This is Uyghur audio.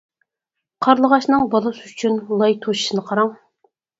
قارلىغاچنىڭ بالىسى ئۈچۈن لاي توشۇشنى قاراڭ!